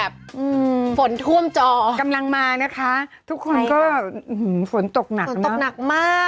อืมฝนท่วมจอกำลังมานะคะทุกคนก็ฝนตกหนักตกหนักมาก